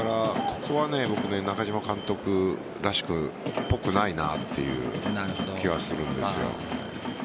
ここは中嶋監督っぽくないなという気はするんですよ。